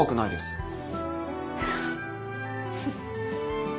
フフッ。